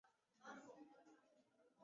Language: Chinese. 直至目前仍处在讨论阶段。